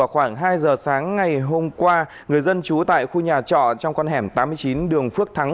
một mươi hai h sáng ngày hôm qua người dân trú tại khu nhà trọ trong con hẻm tám mươi chín đường phước thắng